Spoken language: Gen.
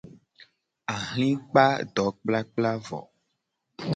Ahli kpa dokplakpla vo.